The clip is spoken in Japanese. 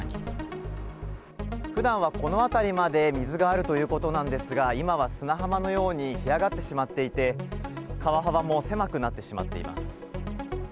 ふだんはこの辺りまで水があるということなんですが、今は砂浜のように干上がってしまっていて、川幅も狭くなってしまっています。